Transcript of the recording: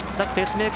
メーク